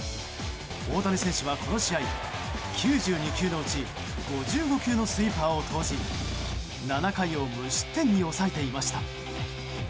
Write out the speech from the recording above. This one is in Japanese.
大谷選手はこの試合９２球のうち５５球のスイーパーを投じ７回を無失点に抑えていました。